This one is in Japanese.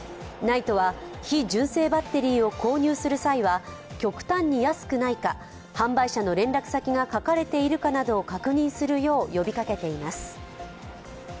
ＮＩＴＥは、非純正バッテリーを購入する際は極端に安くないか、販売者の連絡先が書かれているなどを確認するよう呼びかけています。